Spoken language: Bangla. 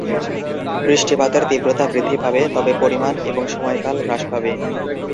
বৃষ্টিপাতের তীব্রতা বৃদ্ধি পাবে, তবে পরিমাণ এবং সময়কাল হ্রাস পাবে।